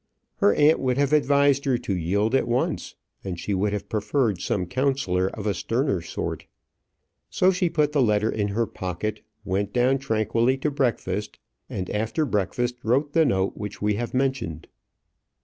Her aunt would have advised her to yield at once, and she would have preferred some counsellor of a sterner sort. So she put the letter in her pocket, went down tranquilly to breakfast, and after breakfast wrote the note which we have mentioned.